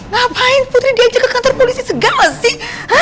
ngapain putri dia aja ke kantor polisi segala sih